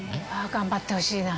頑張ってほしいな。